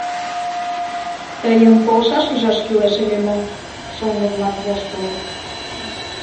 — Тыйым полшаш ӱжаш кӱлеш ыле мо? — шоҥго-влак воштылыт.